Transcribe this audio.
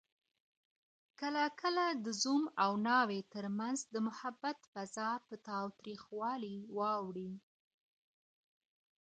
کله کله د زوم او ناوي تر منځ د محبت فضا په تاوتريخوالي واوړي